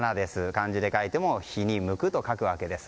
漢字で書いても「日に向く」と書きます。